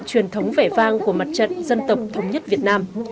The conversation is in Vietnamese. đúng vẻ vang của mặt trận dân tộc thống nhất việt nam